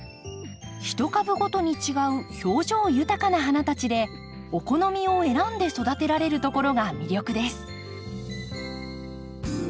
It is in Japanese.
一株ごとに違う表情豊かな花たちでお好みを選んで育てられるところが魅力です。